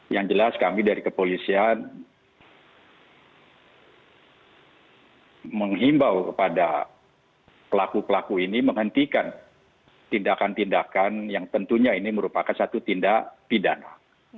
yang jelas kami dari kepolisian menghimbau kepada pelaku pelaku ini menghentikan tindakan tindakan yang tentunya ini merupakan satu tindak pidana